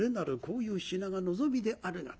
こういう品が望みであるが」。